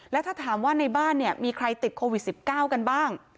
แล้วถ้าถามว่าในบ้านเนี่ยมีใครติดโควิด๑๙กันบ้าง